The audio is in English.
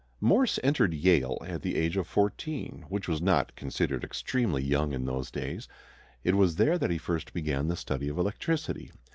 Morse entered Yale at the age of fourteen, which was not considered extremely young in those days. It was there that he first began the study of electricity.